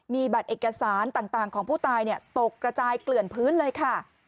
มีบัตรเอกสารต่างของผู้ตายตกกระจายเกลื่อนพื้นเลยค่ะ